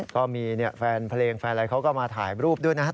ก็มีแฟนเพลงแฟนอะไรเขาก็มาถ่ายรูปด้วยนะครับ